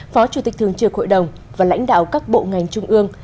phó chủ tịch thường trực hội đồng và lãnh đạo các bộ ngành trung ương